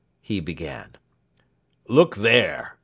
he began. "Look there!"